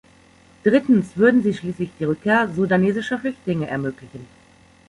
Drittens würden sie schließlich die Rückkehr sudanesischer Flüchtlinge ermöglichen.